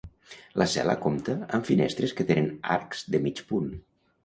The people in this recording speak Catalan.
La cel·la compta amb finestres que tenen arcs de mig punt.